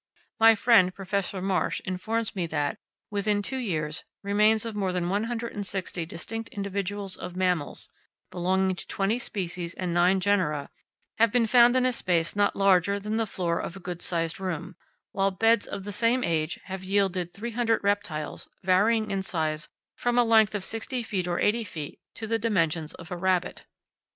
My friend Professor Marsh informs me that, within two years, remains of more than 160 distinct individuals of mammals, belonging to twenty species and nine genera, have been found in a space not larger than the floor of a good sized room; while beds of the same age have yielded 300 reptiles, varying in size from a length of 60 feet or 80 feet to the dimensions of a rabbit.